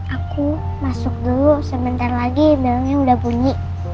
aku masuk dulu sebentar lagi daunnya udah bunyi